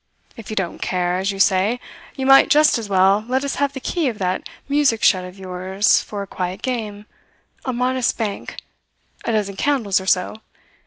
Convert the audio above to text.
If you don't care, as you say, you might just as well let us have the key of that music shed of yours for a quiet game; a modest bank a dozen candles or so.